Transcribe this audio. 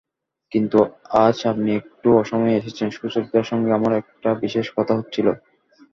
কিন্তু আজ আপনি একটু অসময়ে এসেছেন– সুচরিতার সঙ্গে আমার একটা বিশেষ কথা হচ্ছিল।